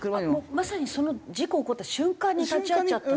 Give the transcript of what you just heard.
まさにその事故起こった瞬間に立ち会っちゃったの？